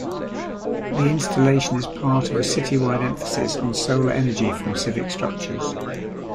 The installation is part of a citywide emphasis on solar energy from civic structures.